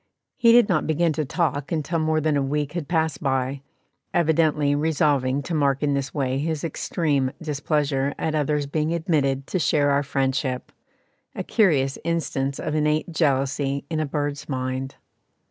He did not begin to talk until more than a week had passed by, evidently resolving to mark in this way his extreme displeasure at others being admitted to share our friendship a curious instance of innate jealousy in a bird's mind.